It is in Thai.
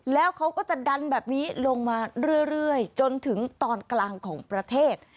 แล้วเขาก็จะดันแบบนี้ลงมาเรื่อยจนถึงตอนกลางของประเทศ